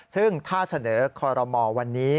ซึ่งถ้าเสนอคอรมอลวันนี้